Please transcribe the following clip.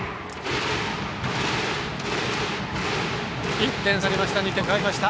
１点返しました。